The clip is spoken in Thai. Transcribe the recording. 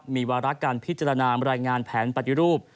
มีวาระการพิจารณารายงานแผนปฏิรูป